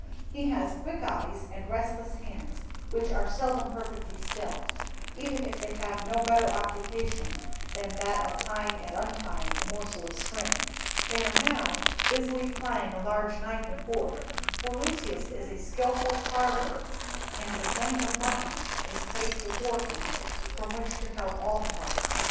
He has quick eyes and restless hands, which are seldom perfectly still, even if they have no better occupation than that of tying and untying a morsel of string; but they are now busily plying a large knife and fork, for Lucius is a skilful carver, and the joint of mutton is placed before him, from which to help all the party.